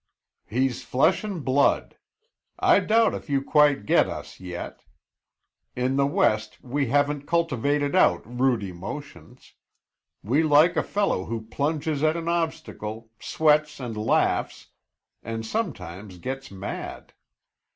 "He's flesh and blood. I doubt if you quite get us yet. In the West, we haven't cultivated out rude emotions; we like a fellow who plunges at an obstacle, sweats and laughs, and sometimes gets mad.